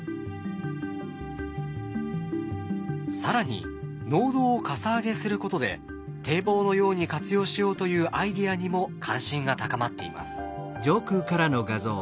更に農道をかさ上げすることで堤防のように活用しようというアイデアにも関心が高まっています。